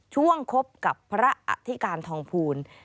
คบกับพระอธิการทองภูล